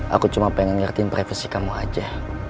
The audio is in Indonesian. aku cuma pengen ngertiin privasi kamu aja